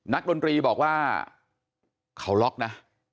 ดนตรีบอกว่าเขาล็อกนะ